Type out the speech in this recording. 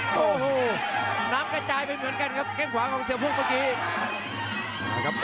โอ้โหน้ำกระจายไปเหมือนกันครับแค่งขวาของเสือพุกเมื่อกี้